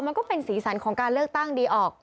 มันก็เป็นสีสันของการเลือกตั้งดีออก